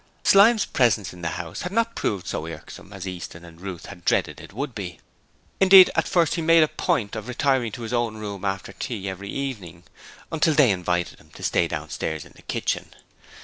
Slyme's presence in the house had not proved so irksome as Easton and Ruth had dreaded it would be. Indeed, at first, he made a point of retiring to his own room after tea every evening, until they invited him to stay downstairs in the kitchen.